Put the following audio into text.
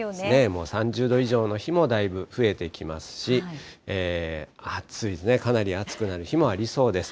もう３０度以上の日もだいぶ増えてきますし、暑いですね、かなり暑くなる日もありそうです。